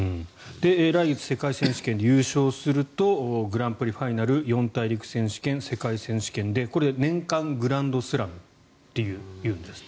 来月世界選手権で優勝するとグランプリファイナル四大陸選手権世界選手権でこれ、年間グランドスラムというんですって。